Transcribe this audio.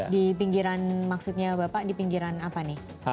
di pinggiran maksudnya bapak di pinggiran apa nih